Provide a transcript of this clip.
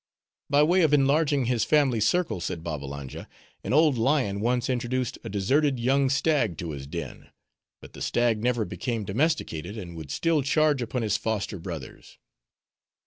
"By way of enlarging his family circle," said Babbalanja, "an old lion once introduced a deserted young stag to his den; but the stag never became domesticated, and would still charge upon his foster brothers.